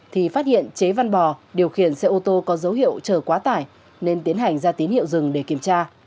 thì phát hiện chế văn bò điều khiển xe ô tô có dấu hiệu chở quá tải nên tiến hành ra tín hiệu dừng để kiểm tra